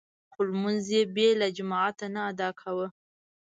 خو لمونځ يې بې له جماعته نه ادا کاوه.